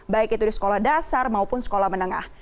baik itu di sekolah dasar maupun sekolah menengah